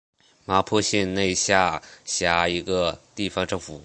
麻坡县内下辖一个地方政府。